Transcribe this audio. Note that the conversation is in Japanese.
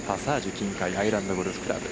琴海アイランドゴルフクラブ。